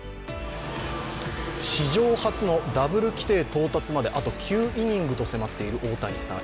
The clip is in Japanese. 史上初のダブル規定到達まであと９イニングと迫っている大谷さん。